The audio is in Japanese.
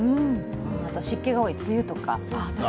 また、湿気が多い梅雨とか。